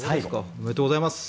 おめでとうございます。